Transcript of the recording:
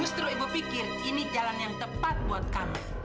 justru ibu pikir ini jalan yang tepat buat kami